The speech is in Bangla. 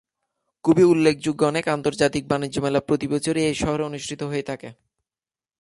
খুবই উল্লেখযোগ্য অনেক আন্তর্জাতিক বাণিজ্য মেলা প্রতিবছরই এ শহরে অনুষ্ঠিত হয়ে থাকে।